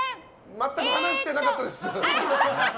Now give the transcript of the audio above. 全く話してなかったです。